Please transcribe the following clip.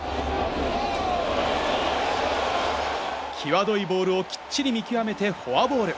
際どいボールをきっちり見極めてフォアボール。